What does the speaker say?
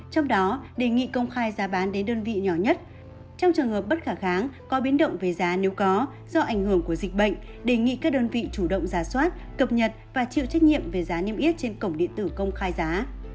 trong đó đề nghị công khai giá bán đến đơn vị nhỏ nhất trong trường hợp bất khả kháng có biến động về giá nếu có do ảnh hưởng của dịch bệnh đề nghị các đơn vị chủ động giả soát cập nhật và chịu trách nhiệm về giá niêm yết trên cổng điện tử công khai giá